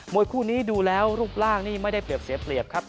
วยคู่นี้ดูแล้วรูปร่างนี่ไม่ได้เปรียบเสียเปรียบครับ